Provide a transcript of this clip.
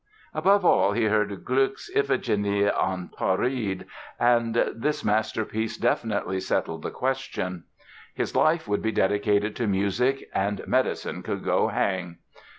Above all, he heard Gluck's "Iphigénie en Tauride", and this masterpiece definitely settled the question. His life would be dedicated to music and medicine could go hang!